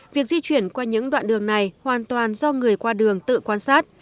việc di chuyển qua những đoạn đường này hoàn toàn do người qua đường tự quan sát